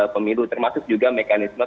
pemilu termasuk juga mekanisme